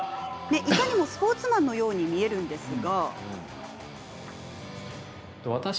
いかにもスポーツマンのように見えますが。